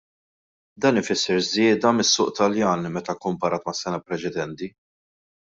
Dan ifisser żieda mis-suq Taljan meta kkumparat mas-sena preċedenti.